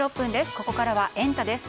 ここからはエンタ！です。